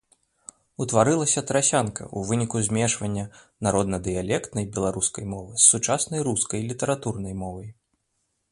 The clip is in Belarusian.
Утварылася трасянка ў выніку змешвання народна-дыялектнай беларускай мовы з сучаснай рускай літаратурнай мовай.